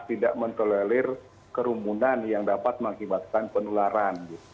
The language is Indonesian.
tidak mentolelir kerumunan yang dapat mengakibatkan penularan